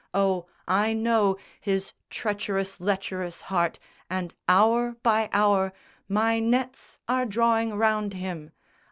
Oh, I know His treacherous lecherous heart, and hour by hour My nets are drawing round him.